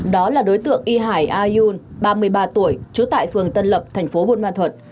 đó là đối tượng y hải a yun ba mươi ba tuổi trú tại phường tân lập tp bun ma thuận